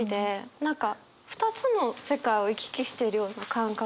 何か２つの世界を行き来しているような感覚があるので。